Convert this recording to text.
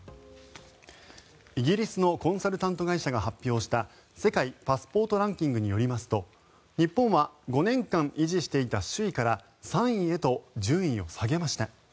イギリスのコンサルタント会社が発表した世界パスポートランキングによりますと日本は５年間維持していた首位から、３位へと順位を下げました。